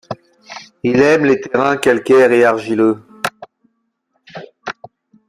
Il aime les terrains calcaire et argileux.